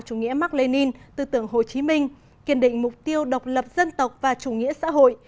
chủ nghĩa mark lenin tư tưởng hồ chí minh kiên định mục tiêu độc lập dân tộc và chủ nghĩa xã hội